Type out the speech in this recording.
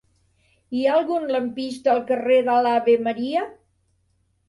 Hi ha algun lampista al carrer de l'Ave Maria?